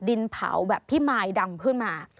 ดินเผาแบบพี่มายดำขึ้นมา